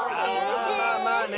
まあまあまあね。